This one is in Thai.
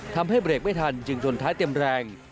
ทำให้เบรกไม่ทันจึงชนท้ายเต็มแรง